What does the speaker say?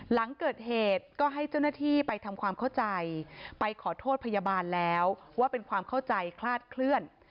หลังเกิดเหตุก็ให้เจ้าหน้าที่ไปทำความเข้าใจไปขอโทษพยาบาลแล้วว่าเป็นความเข้าใจคลาดเคลื่อน